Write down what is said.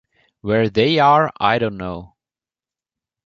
Where they are I don't know.